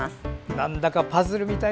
なんだかパズルみたい。